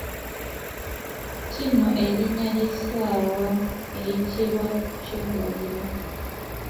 Nti nno erinnya ly’essaawa eyitibwa Kyeggaliro.